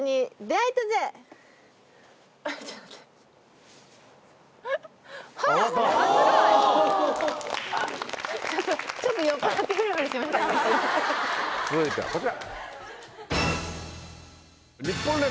続いてはこちら。